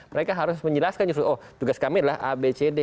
mereka harus menjelaskan justru oh tugas kami adalah a b c d